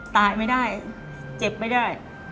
ตายไม่ได้เจ็บไม่ได้